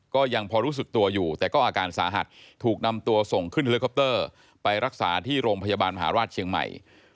ก็ยังพอรู้สึกตัวอยู่แต่ก็อาการสาหัสถูกนำตัวส่งขึ้นเฮลิคอปเตอร์ไปรักษาที่โรงพยาบาลมหาราชเชียงใหม่